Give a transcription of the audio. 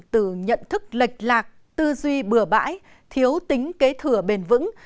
từ nhận thức lệch lạc tư duy bừa bãi thiếu tính kế thừa bền vững